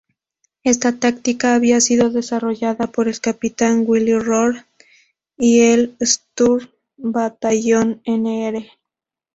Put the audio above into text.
Esta táctica había sido desarrollada por el capitán Willy Rohr y el "Sturm-Bataillon Nr.